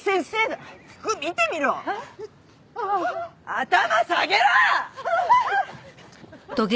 頭下げろ！